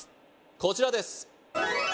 こちらです